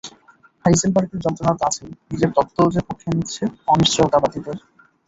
হাইজেনবার্গের যন্ত্রণা তো আছেই, নিজের তত্ত্বও যে পক্ষ নিচ্ছে অনিশ্চয়তাবাদীদের।